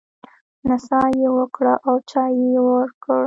نڅا يې وکړه او چای يې ورکړ.